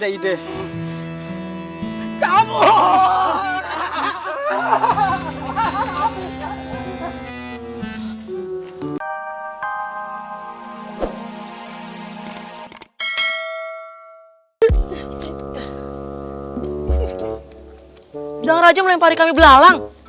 udah raja melempari kami belalang